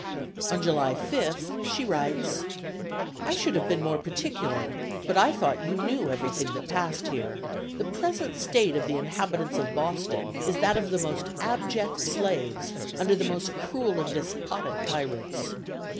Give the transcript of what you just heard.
On July 5th, she writes: "I should have been more particular, but I thought you knew everything that passed here. The present state of the inhabitants of Boston is that of the most abject slaves, under the most cruel and despotic tyrants.